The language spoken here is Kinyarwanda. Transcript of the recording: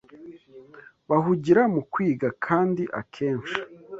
bahugira mu kwiga, kandi akenshi